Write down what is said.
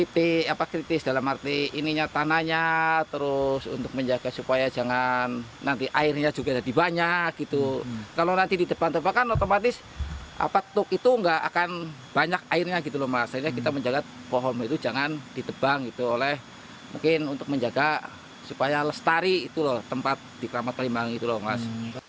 tadi apa tuk itu nggak akan banyak airnya gitu loh mas jadi kita menjaga pohon itu jangan didebang gitu oleh mungkin untuk menjaga supaya lestari itu loh tempat di kalimat kalimanggeng itu loh mas